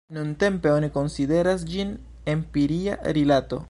Nuntempe oni konsideras ĝin empiria rilato.